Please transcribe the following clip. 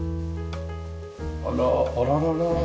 あらあらららら。